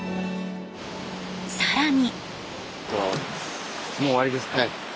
更に。